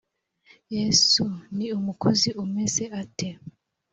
yesu ni umukozi umeze ate